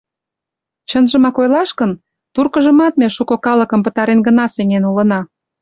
Чынжымак ойлаш гын, туркыжымат ме шуко калыкым пытарен гына сеҥен улына.